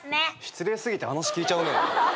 失礼過ぎて話聞いちゃうね。